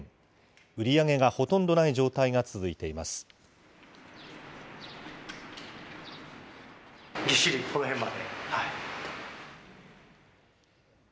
売り上げがほとんどない状態が続いています。